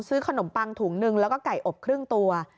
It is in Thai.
ซื้อขนมปังถุงหนึ่งแล้วก็ไก่อบครึ่งตัว